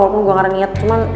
walaupun gua ga ada niat cuman